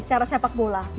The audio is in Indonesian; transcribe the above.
secara sepak bola